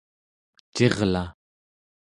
cirla